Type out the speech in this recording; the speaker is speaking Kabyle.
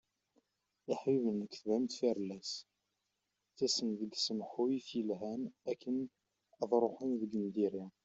Iḥbiben n lekdeb am tfirellas. Ttasen-d deg tsemhuyt yelhan akken ad ruḥen deg n diri.